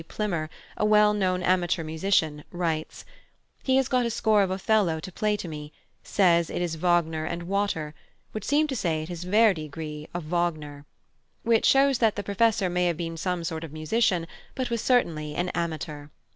Plimmer, a well known amateur musician, writes: "He has got a score of Othello to play to me; says it is Wagner and water; would seem to say it is Verdi gris of Wagner"; which shows that the Professor may have been some sort of a musician, but was certainly an amateur.